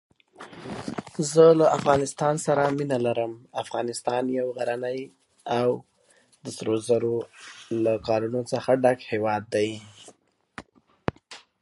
مقالې باید د ځانګړو اصولو سره سمې وي.